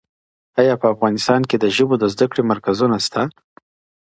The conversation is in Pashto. ایا په افغانستان کي د ژبو د زده کړي مرکزونه سته؟